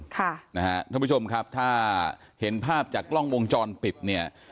ท่านผู้ชมครับถ้าเห็นภาพจากกล้องวงจรปิดเนี่ย